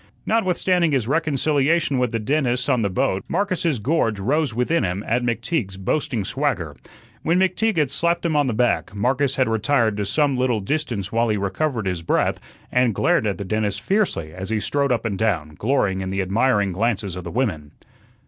Notwithstanding his reconciliation with the dentist on the boat, Marcus's gorge rose within him at McTeague's boasting swagger. When McTeague had slapped him on the back, Marcus had retired to some little distance while he recovered his breath, and glared at the dentist fiercely as he strode up and down, glorying in the admiring glances of the women.